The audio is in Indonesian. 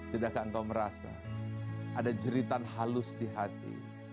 tidak akan kau merasa ada jeritan halus di hati